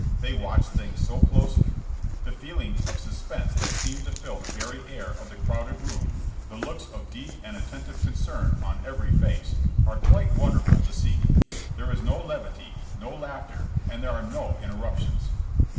They watch things so closely. The feelings of suspense that seem to fill the very air of the crowded room, the looks of deep and at tentive concern on every face, are quite wonderful to see. There is no levity, no laughter, and there are no interruptions.